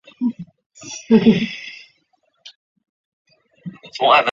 但有报导指出内容属真实。